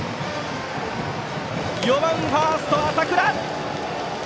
４番ファースト、浅倉！